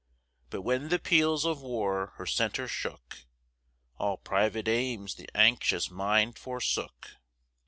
But when the peals of war her centre shook, All private aims the anxious mind forsook.